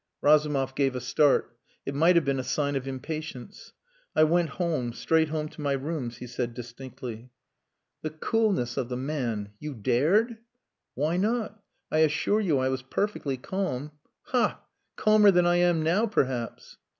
Razumov gave a start. It might have been a sign of impatience. "I went home. Straight home to my rooms," he said distinctly. "The coolness of the man! You dared?" "Why not? I assure you I was perfectly calm. Ha! Calmer than I am now perhaps."